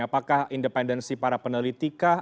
apakah independensi para peneliti kah